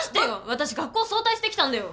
私学校早退してきたんだよ！